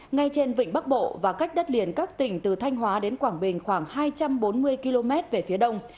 ngay trên vịnh bắc bộ và cách đất liền các tỉnh từ thanh hóa đến quảng bình khoảng hai trăm bốn mươi km về phía đông